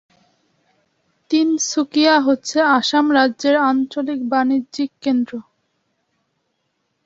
তিনসুকিয়া হচ্ছে আসাম রাজ্যের আঞ্চলিক বাণিজ্যিক কেন্দ্র।